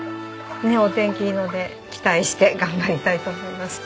お天気いいので期待して頑張りたいと思います。